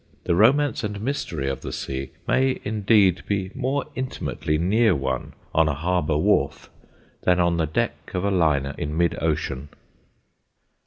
The romance and mystery of the sea may indeed be more intimately near one on a harbour wharf than on the deck of a liner in mid ocean.